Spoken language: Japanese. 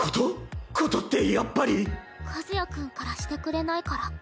和也君からしてくれないから。